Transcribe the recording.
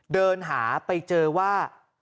เดินหาไปเจอว่า